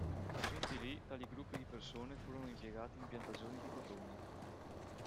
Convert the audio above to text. Giunti lì, tali gruppi di persone furono impiegati in piantagioni di cotone.